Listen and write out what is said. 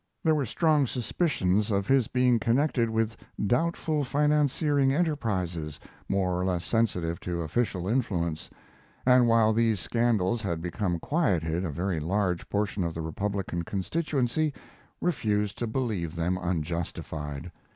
There were strong suspicions of his being connected with doubtful financiering enterprises, more or less sensitive to official influence, and while these scandals had become quieted a very large portion of the Republican constituency refused to believe them unjustified.